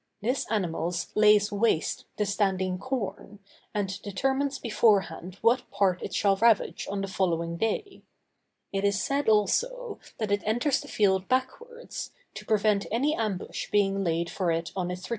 This animal lays waste the standing corn, and determines beforehand what part it shall ravage on the following day; it is said also, that it enters the field backwards, to prevent any ambush being laid for it on its return.